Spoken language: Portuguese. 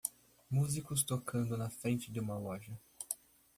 Músicos tocando na frente de uma loja